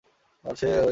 আর সে হল লাঈছ।